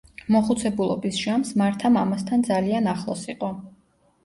მოხუცებულობის ჟამს მართა მამასთან ძალიან ახლოს იყო.